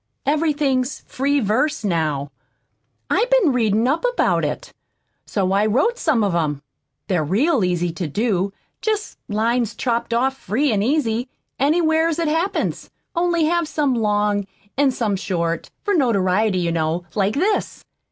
Everything's 'free verse' now. I've been readin' up about it. So I've wrote some of 'em. They're real easy to do jest lines chopped off free an' easy, anywheres that it happens, only have some long, an' some short, for notoriety, you know, like this."